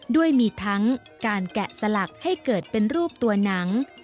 ด้วยมีทั้งการแกะสลักให้เกิดเป็นรูปตัวหนัง